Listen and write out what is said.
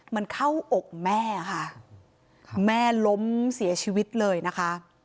มันเข้าอกแม่ค่ะแม่ล้มเสียชีวิตเลยนะคะ